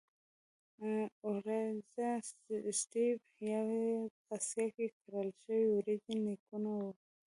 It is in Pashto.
د Oryza sativa یا په اسیا کې کرل شوې وریجې نیکونه وو.